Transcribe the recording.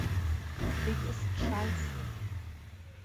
Krieg ist scheiße.